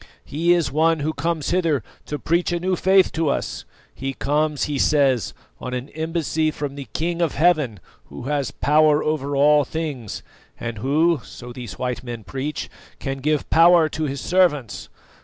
He is one who comes hither to preach a new faith to us; he comes, he says, on an embassy from the King of Heaven, who has power over all things, and who, so these white men preach, can give power to His servants.